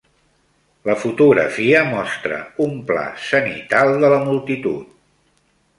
La fotografia mostra un pla zenital de la multitud